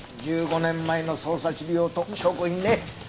１５年前の捜査資料と証拠品ね。